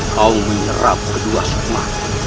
kau menyerap kedua supamu